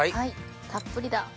たっぷりだ。